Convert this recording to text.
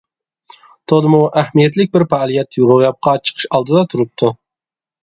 تولىمۇ ئەھمىيەتلىك بىر پائالىيەت روياپقا چىقىش ئالدىدا تۇرۇپتۇ.